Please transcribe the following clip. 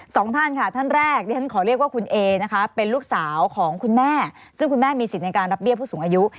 สองท่านค่ะท่านแรกที่ฉันขอเรียกว่าคุณเอนะคะเป็นลูกสาวของคุณแม่ซึ่งคุณแม่มีสิทธิ์ในการรับเบี้ยผู้สูงอายุ